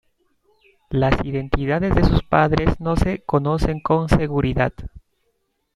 Las identidades de sus padres no se conocen con seguridad.